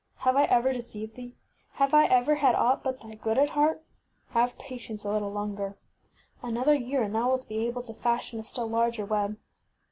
Have I ever deceived thee? Have I ever had aught but thy %t\e %btet aflleaber s good at heart? Have pa tience a little longer. An other year and thou wilt be able to fashion a still larger web.